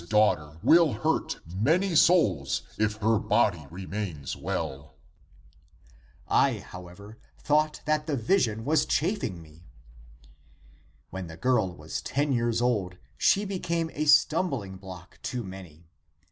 e. daughter) will hurt many souls, if her body remains well !' I, however, thought that the vision was chaffing me. " When the girl was ten years old, she became a stumbling block to many.